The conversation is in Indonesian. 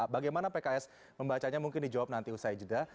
bagaimana pks membacanya mungkin dijawab nanti usai jeda